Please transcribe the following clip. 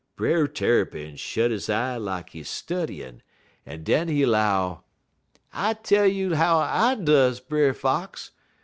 "Brer Tarrypin shet he eye lak he studyin', en den he 'low: "'I tell you how I does, Brer Fox.